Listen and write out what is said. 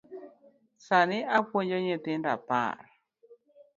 Sani apuonjo nyithindo apar.